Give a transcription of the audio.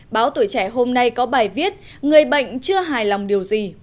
báo tuổi trẻ hôm nay có bài viết người bệnh chưa hài lòng điều gì